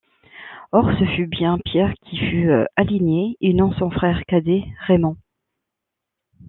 Or ce fut bien Pierre qui fut aligné et non son frère cadet Raymond.